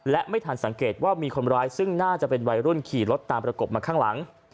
และไม่ทันสังเกตว่ามีคนร้ายซึ่งน่าจะเป็นวัยรุ่นขี่รถตามประกบมาข้างหลัง